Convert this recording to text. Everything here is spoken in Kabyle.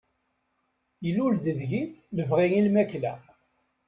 Illul-d deg-i lebɣi i lmakla.